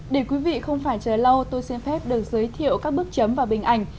để quý vị không phải chờ lâu tôi xin phép được giới thiệu các bước chấm và bình ảnh